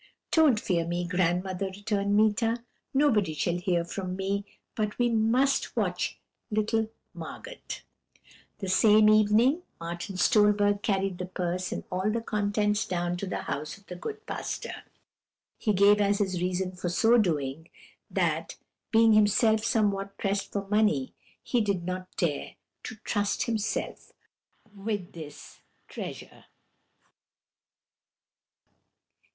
"'Don't fear me, grandmother,' returned Meeta; 'nobody shall hear from me but we must watch little Margot.' "That same evening, Martin Stolberg carried the purse and all the contents down to the house of the good pastor. He gave as his reason for so doing, that, being himself somewhat pressed for money, he did not dare to trust himself with this treasure."